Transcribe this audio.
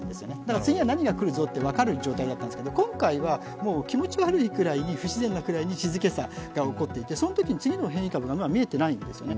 次は何が来るぞと分かる状態だったんですが、今回は気持ち悪いくらい、不自然なくらいに静けさが起こっていて、そのときに次の変異株がまだ見えていないんですよね。